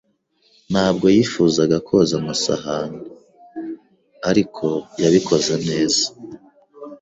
Ntabwo yifuzaga koza amasahani, ariko yabikoze neza.